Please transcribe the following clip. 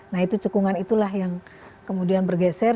nah itu cekungan itulah yang kemudian bergeser